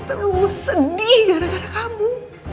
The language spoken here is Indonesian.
terus sedih gara gara kamu